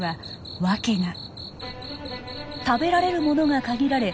食べられる物が限られ